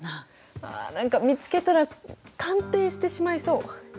あ見つけたら鑑定してしまいそう。